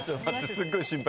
すっごい心配。